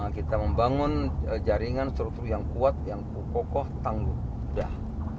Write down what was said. kita membangun jaringan struktur yang kuat yang kokoh tangguh sudah